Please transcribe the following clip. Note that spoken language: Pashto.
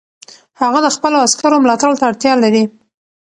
هغه د خپلو عسکرو ملاتړ ته اړتیا لري.